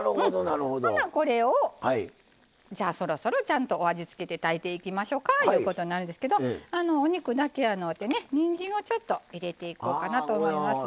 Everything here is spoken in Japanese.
ほな、これをそろそろちゃんとお味を付けて炊いていきましょうかということになるんですけどお肉だけやのうてにんじんを入れていこうと思います。